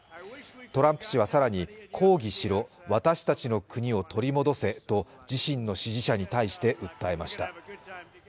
トランプ氏は更に、抗議しろ、私たちの国を取り戻せと自身の支持者に対して訴えました。